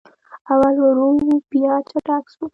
اول ورو و بیا چټک سو